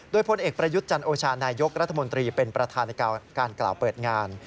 โดยพลเอกประยุทธ์จันโอชานายกรัฐมนตรีเป็นประธานในการกล่าวเปิดงาน